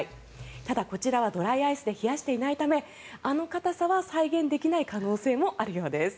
ただ、こちらはドライアイスで冷やしていないためあの硬さは再現できない可能性もあるようです。